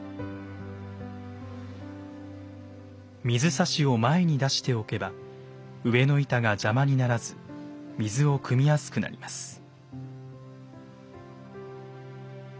水指を前に出しておけば上の板が邪魔にならず水をくみやすくなります。